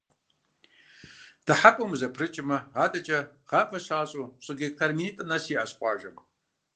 Дыхьэпӏэм узэпрыкӏмэ, адэкӏэ гъавэ щащӏэу щӏы гектар минитӏым нэс иӏэщ къуажэм.